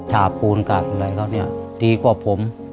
ผ่าปูนกัดอะไรเขาเนี่ยดีกว่าผม